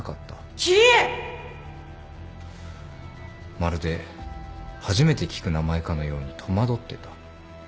まるで初めて聞く名前かのように戸惑ってた。